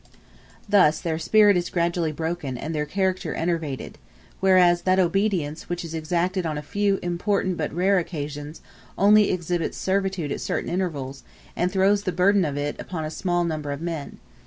Thus their spirit is gradually broken and their character enervated; whereas that obedience, which is exacted on a few important but rare occasions, only exhibits servitude at certain intervals, and throws the burden of it upon a small number of men.